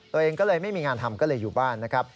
ตัวเองก็เลยไม่มีงานทำก็เลยอยู่บ้านนะครับ